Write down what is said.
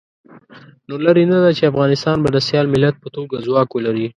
نو لرې نه ده چې افغانستان به د سیال ملت په توګه ځواک ولري.